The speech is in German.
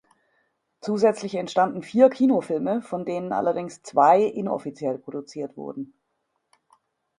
Zusätzlich entstanden vier Kinofilme, von denen allerdings zwei inoffiziell produziert wurden.